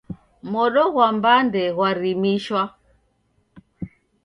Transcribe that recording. Modo ghwa mbande ghwarimishwa.